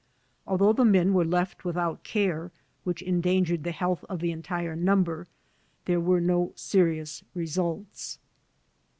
Al though the men were left without care, which endangered the health of the entire number, there were no serious results.